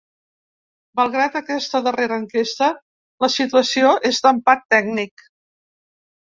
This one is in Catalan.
Malgrat aquesta darrera enquesta, la situació és d’empat tècnic.